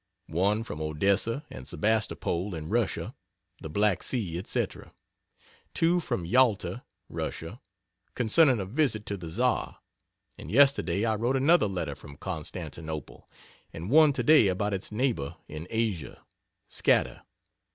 1 from Odessa and Sebastopol in Russia, the Black Sea, etc. 2 from Yalta, Russia, concerning a visit to the Czar. And yesterday I wrote another letter from Constantinople and 1 today about its neighbor in Asia, Scatter.